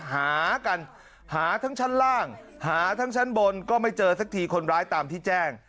หากันหาทั้งชั้นล่างหาทั้งชั้นบนก็ไม่เจอสักทีคนร้ายตามที่แจ้ง